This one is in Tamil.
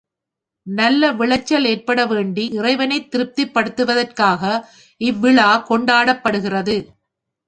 நல்ல விளைச்சல் ஏற்பட வேண்டி, இறைவனைத் திருப்திப்படுத்துவதற்காக இவ்விழா கொண்டாடப்படுகிறது.